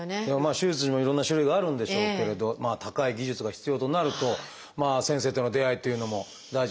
手術にもいろんな種類があるんでしょうけれど高い技術が必要となると先生との出会いというのも大事になってくるかもしれませんね。